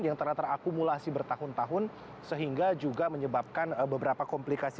yang telah terakumulasi bertahun tahun sehingga juga menyebabkan beberapa komplikasi